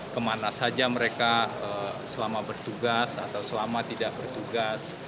kemana saja mereka selama bertugas atau selama tidak bertugas